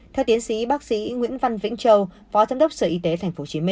theo tiến sĩ bác sĩ nguyễn văn vĩnh châu phó giám đốc sở y tế tp hcm